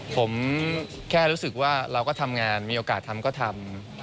ผมแค่รู้สึกว่าเราก็ทำงานมีโอกาสทำก็ทำ